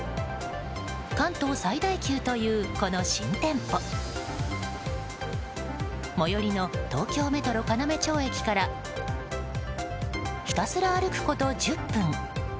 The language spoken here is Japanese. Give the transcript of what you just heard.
関東最大級という、この新店舗最寄りの東京メトロ要町駅からひたすら歩くこと、１０分。